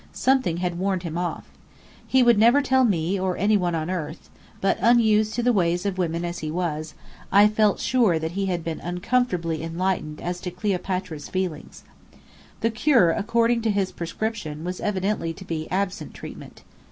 Something had warned him off. He would never tell me or any one on earth: but, unused to the ways of women as he was, I felt sure that he had been uncomfortably enlightened as to Cleopatra's feelings. The cure, according to his prescription, was evidently to be "absent treatment."